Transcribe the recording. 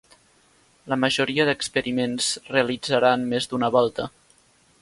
La majoria d'experiments realitzaran més d'una volta.